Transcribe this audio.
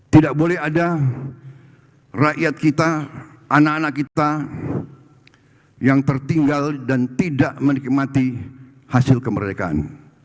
tidak boleh ada rakyat kita anak anak kita yang tertinggal dan tidak menikmati hasil kemerdekaan